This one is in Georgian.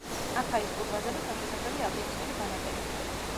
აქ არის ტურბაზები, თავშესაფრები, ალპინისტური ბანაკები.